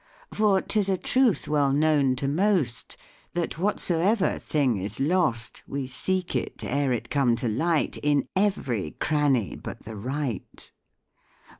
For 'tis a truth well known to most, That whatsoever thing is lost, We seek it, ere it come to light, In every cranny but the right.